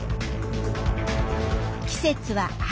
季節は秋。